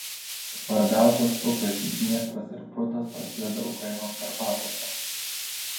Svarbiausios upės Dniestras ir Prutas prasideda Ukrainos Karpatuose.